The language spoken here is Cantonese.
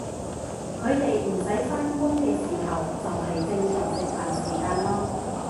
佢哋唔使返工嘅时候就係正常食飯時間囉